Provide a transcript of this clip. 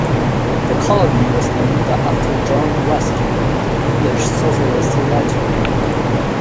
The colony was named after John Ruskin, the English socialist writer.